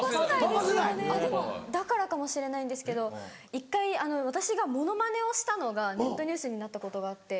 でもだからかもしれないんですけど１回私がモノマネをしたのがネットニュースになったことがあって。